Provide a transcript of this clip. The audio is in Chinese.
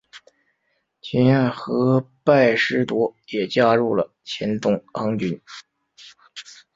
秦彦和毕师铎也加入了秦宗衡军。